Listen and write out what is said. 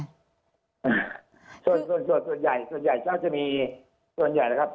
ส่วนส่วนใหญ่ส่วนใหญ่ส่วนใหญ่ก็จะมีส่วนใหญ่นะครับ